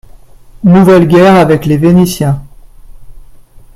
- Nouvelle guerre avec les Vénitiens.